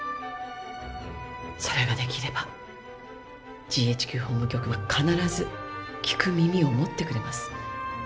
それができればＧＨＱ法務局は必ず聞く耳を持ってくれます。